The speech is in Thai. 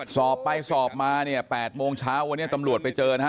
สอบไปสอบมาเนี่ย๘โมงเช้าวันนี้ตำรวจไปเจอนะฮะ